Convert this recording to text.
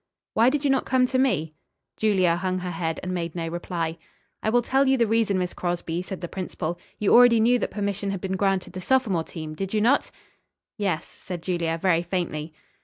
"Why did you not come to me?" Julia hung her head and made no reply. "I will tell you the reason, Miss Crosby," said the principal. "You already knew that permission had been granted the sophomore team, did you not?" "Yes," said Julia very faintly.